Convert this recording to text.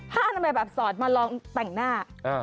อนามัยแบบสอดมาลองแต่งหน้า